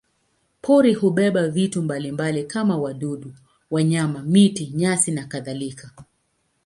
Pori hubeba vitu mbalimbali kama wadudu, wanyama, miti, nyasi nakadhalika.